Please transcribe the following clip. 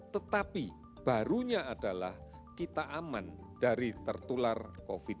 tetapi barunya adalah kita aman dari tertular covid sembilan belas